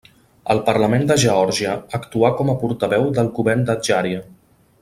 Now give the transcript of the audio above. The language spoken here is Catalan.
Al Parlament de Geòrgia actuà com a portaveu del govern d'Adjària.